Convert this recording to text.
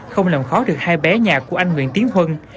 không làm khó được hai bé nhà của anh nguyễn tiến huân